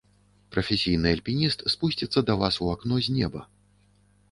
Прафесійны альпініст спусціцца да вас у акно з неба.